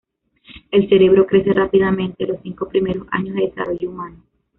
El cerebro crece rápidamente los cinco primeros años de desarrollo humano.